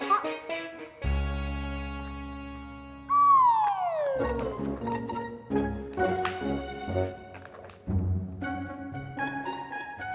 iya pak tati ini isinya kebanyakan